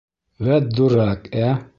Вәт дурак, ә?!